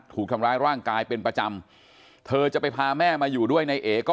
ถูกทำร้ายร่างกายเป็นประจำเธอจะไปพาแม่มาอยู่ด้วยนายเอ๋ก็